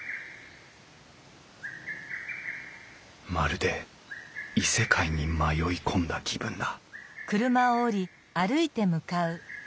まるで異世界に迷い込んだ気分だ